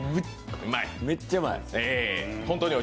めっちゃうまい。